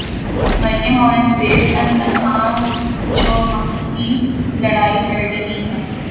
مریم اورنگزیب تن تنہا چو مکھی لڑائی لڑ رہی ہیں۔